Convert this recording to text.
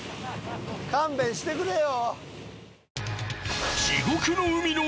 勘弁してくれよ。